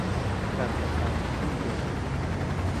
کات تەرخانکردنی پێدەوێت